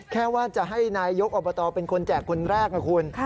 แค่ว่าจะให้นายยกอบตเป็นคนแจกคนแรกนะคุณ